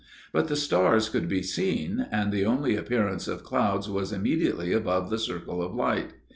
But the stars could be seen, and the only appearance of clouds was immediately above the circle of light.